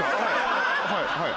はいはい。